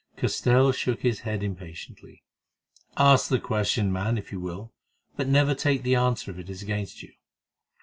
Castell shook his head impatiently. "Ask the question, man, if you will, but never take the answer if it is against you.